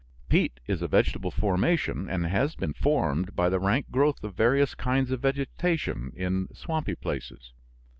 Peat is a vegetable formation and has been formed by the rank growth of various kinds of vegetation in swampy places.